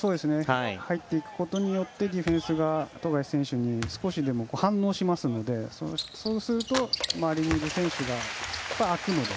入っていくことによってディフェンスが富樫選手に少しでも反応しますのでそうすると周りにいる選手が空くので。